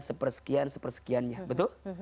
sepersekian sepersekiannya betul